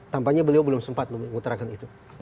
tampaknya beliau belum sempat mengutarakan itu